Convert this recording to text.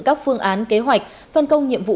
các phương án kế hoạch phân công nhiệm vụ